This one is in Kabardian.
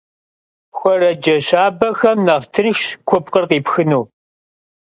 Xuerece şabexem nexh tınşşş kupkhır khipxınu.